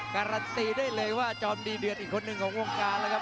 การันตีได้เลยว่าจอมดีเดือดอีกคนหนึ่งของวงการแล้วครับ